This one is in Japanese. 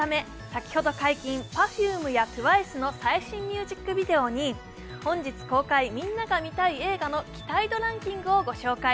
先ほど解禁、ＰｅｒｆｕｍｅやＴＷＩＣＥの最新ミュージックビデオに本日公開みんなが見たい映画の期待度ランキングをご紹介。